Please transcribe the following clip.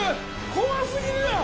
怖過ぎるやん。